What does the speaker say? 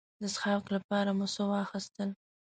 د څښاک لپاره مو څه واخیستل.